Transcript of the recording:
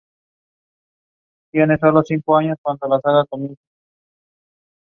Las calles principales son de un solo sentido.